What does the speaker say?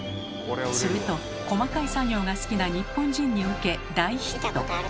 すると細かい作業が好きな日本人に受け大ヒット。